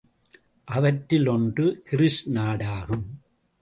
அவற்றுள் ஒன்று கிரீஸ் நாடாகும்.